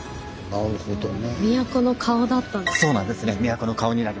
なるほど。ね